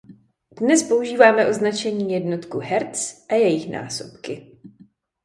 Dnes používáme označení jednotku Hz a její násobky.